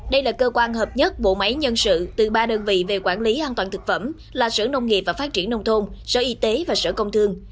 đây là cơ quan hợp nhất bộ máy nhân sự từ ba đơn vị về quản lý an toàn thực phẩm là sở nông nghiệp và phát triển nông thôn sở y tế và sở công thương